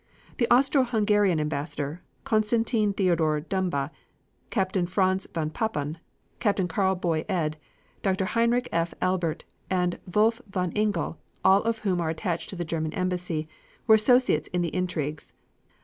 The Austro Hungarian Ambassador, Constantin Theodor Dumba, Captain Franz von Papen, Captain Karl Boy Ed, Dr. Heinrich F. Albert, and Wolf von Igel, all of whom were attached to the German Embassy, were associates in the intrigues.